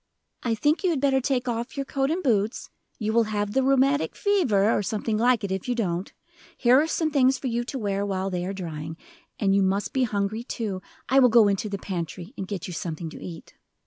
"I think you had better take off your coat and boots you will have the rheumatic fever, or something like it, if you don't. Here are some things for you to wear while they are drying. And you must be hungry, too; I will go into the pantry and get you something to eat."